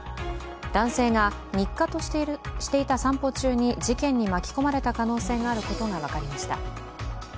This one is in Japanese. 男性が日課としていた散歩中に事件に巻き込まれた可能性があることが分かりました。